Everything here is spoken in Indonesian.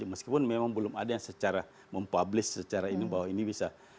meskipun memang belum ada yang secara mempublish secara ini bahwa ini bisa